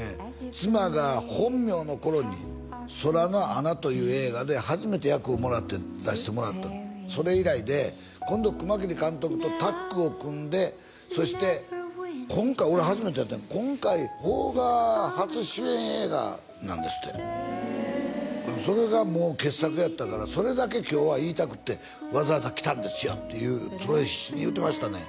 妻が本名の頃に「空の穴」という映画で初めて役をもらって出してもらったそれ以来で今度熊切監督とタッグを組んでそして今回俺初めてやったんや今回邦画初主演映画なんですってそれがもう傑作やったからそれだけ今日は言いたくってわざわざ来たんですよっていうそれ必死に言うてましたね